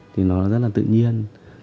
thì nó rất là tự nhiên